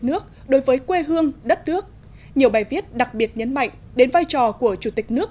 nước đối với quê hương đất nước nhiều bài viết đặc biệt nhấn mạnh đến vai trò của chủ tịch nước